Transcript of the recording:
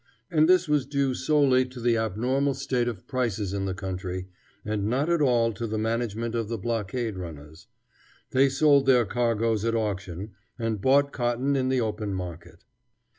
And this was due solely to the abnormal state of prices in the country, and not at all to the management of the blockade runners. They sold their cargoes at auction, and bought cotton in the open market.